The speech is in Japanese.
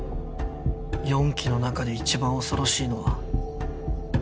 四鬼の中で一番恐ろしいのは。